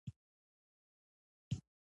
پنېر وزن زیاتولی شي.